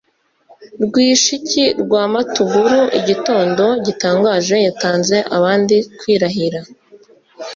Rwishiki rwa Matunguru igitondo gitangaje yatanze abandi kwirahira;